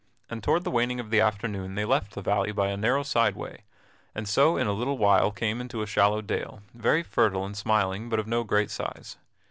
And toward the waning of the afternoon they left the valley by a narrow side way, and so in a little while came into a shallow dale, very fertile and smiling, but of no great size.